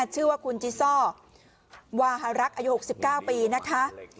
ชื่อว่าคุณจิซ่อวาฮารักษ์อายุ๖๙ปีนะคะ